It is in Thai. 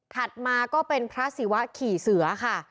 มาก็เป็นพระศิวะขี่เสือค่ะ